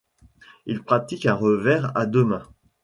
Il pratique un revers à deux mains.